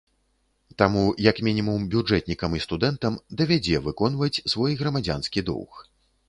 Таму як мінімум бюджэтнікам і студэнтам давядзе выконваць свой грамадзянскі доўг.